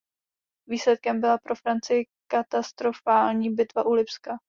Výsledkem byla pro Francii katastrofální bitva u Lipska.